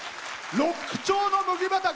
ロック調の「麦畑」。